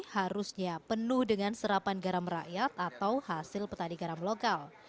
harusnya penuh dengan serapan garam rakyat atau hasil petani garam lokal